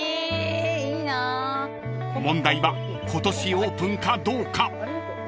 ［問題は今年オープンかどうか］